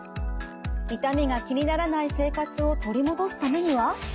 痛みが気にならない生活を取り戻すためには？